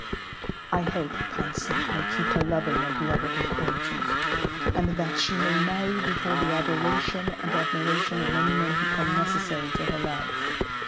I hope Pansy may keep her loving and lovable qualities, and that she may marry before the adoration and admiration of many men become necessary to her life.